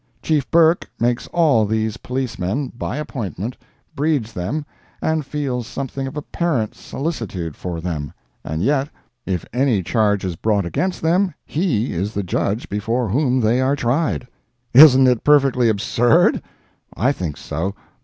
Chief Burke makes all these policemen, by appointment—breeds them—and feels something of a parent's solicitude for them; and yet, if any charge is brought against them, he is the judge before whom they are tried! Isn't it perfectly absurd? I think so.